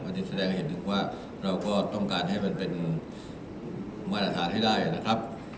จะแสดงให้เห็นถึงว่าเราก็ต้องการให้มันเป็นมาตรฐานให้ได้นะครับ